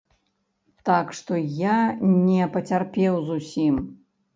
Так што я не пацярпеў зусім.